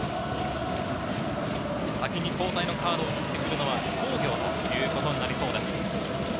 先に交代のカードを切ってくるのは津工業ということになりそうです。